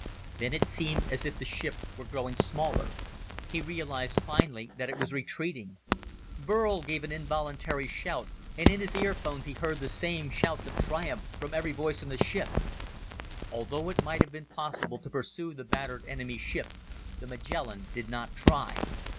Then it seemed as if the ship were growing smaller. He realized finally that it was retreating. Burl gave an involuntary shout, and in his earphones he heard the same shouts of triumph from every voice on the ship. Although it might have been possible to pursue the battered enemy ship, the Magellan did not try.